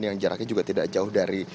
yang jaraknya juga tidak jauh dari